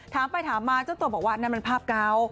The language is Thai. ถามไปถามมาเจ้าตัวบอกว่านั่นมันภาพเก่า